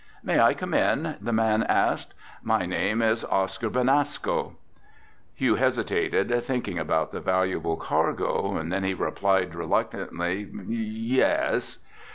"May I come in?" the man asked. "My name is Oscar Benasco." Hugh hesitated, thinking about the valuable cargo, then he replied reluctantly, "Yes."